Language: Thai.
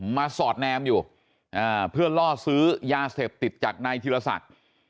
สอดแนมอยู่เพื่อล่อซื้อยาเสพติดจากนายธิรศักดิ์